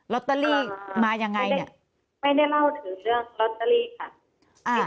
ลอตเตอรี่มายังไงไม่ได้เล่าถึงเรื่องลอตเตอรี่ค่ะ